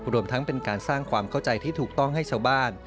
รวมทั้งเป็นการสร้างความเข้าใจที่ถูกต้องให้ชาวบ้าน